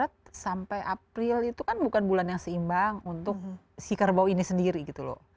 maret sampai april itu kan bukan bulan yang seimbang untuk si kerbau ini sendiri gitu loh